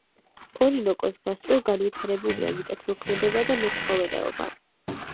ორინოკოს გასწვრივ განვითარებულია მიწათმოქმედება და მეცხოველეობა.